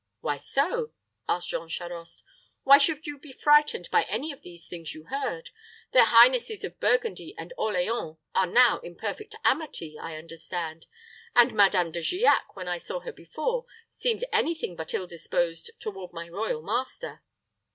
"Why so?" asked Jean Charost. "Why should you be frightened by any of these things you heard? Their highnesses of Burgundy and Orleans are now in perfect amity I understand, and Madame de Giac, when I saw her before, seemed any thing but ill disposed toward my royal master."